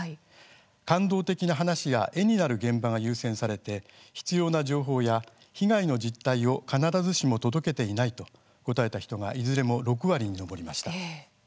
感動的な話や絵になる現場が優先されて必要な情報や被害の実態を必ずしも届けていないと答えた人がいずれも６割に上りました。